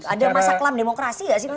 ada masa kelam demokrasi nggak sih pak